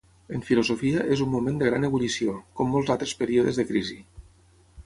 En filosofia, és un moment de gran ebullició, com molts altres períodes de crisi.